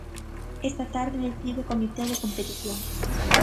Esta tarde decide o comité de competición.